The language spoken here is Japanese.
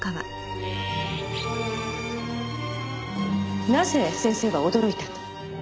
なぜ先生は驚いたと？